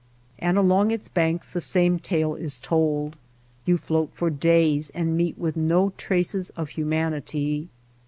And along its banks the same tale is told. You float for days and meet with no traces of humanity.